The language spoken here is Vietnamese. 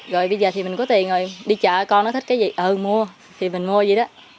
rồi bây giờ thì mình có tiền rồi đi chợ con nó thích cái gì ờ mua thì mình mua vậy đó